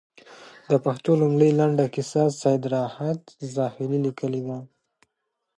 د پښتو لومړۍ لنډه کيسه، سيدراحت زاخيلي ليکلې ده